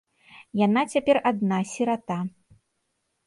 Яна цяпер адна, сірата.